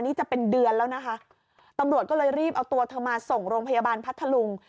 นี่จะเป็นเดือนแล้วนะคะตำรวจก็เลยรีบเอาตัวเธอมาส่งโรงพยาบาลพัทธลุง